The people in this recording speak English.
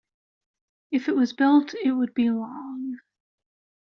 If it was built, it would be long.